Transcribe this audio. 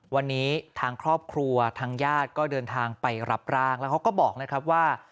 วันนี้ทางครอบครัวทางญาติก็เดินทางไปรับร่างแล้วเขาก็บอกนะครับว่า